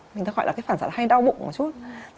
mình gọi là phản xạ hay đau bụng một chút